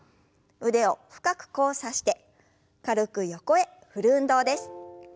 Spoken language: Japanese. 腕を深く交差して軽く横へ振る運動です。